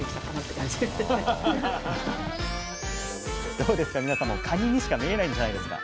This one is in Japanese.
どうですか皆さんもかににしか見えないんじゃないですか。